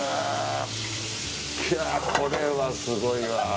これはすごいわ。